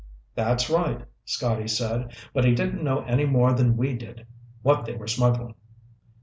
"That's right," Scotty said. "But he didn't know any more than we did what they were smuggling."